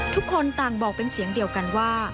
ทุกคนต่างบอกเป็นเสียงเดียวกันว่า